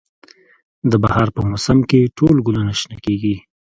د بهار په موسم کې ټول ګلونه شنه کیږي